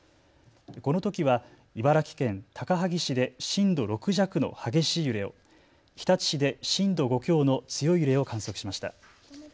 このときは茨城県高萩市で震度６弱の激しい揺れを、日立市で震度５強の強い揺れを観測しました。